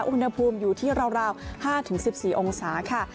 อุณหภูมิอยู่ที่ราว๕๑๔องศาค่ะ